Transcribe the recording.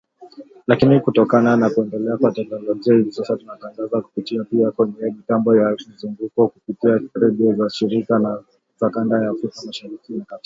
Lakini kutokana na kuendelea kwa teknolojia hivi sasa tunatangaza kupitia pia kwenye mitambo ya mzunguko kupitia redio zetu shirika za kanda ya Afrika Mashariki na Kati